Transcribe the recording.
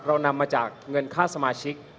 เรานำมาจากเงินค่าสมาชิก